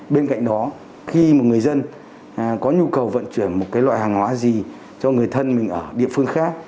bên cạnh đó khi mà người dân có nhu cầu vận chuyển một loại hàng hóa gì cho người thân mình ở địa phương khác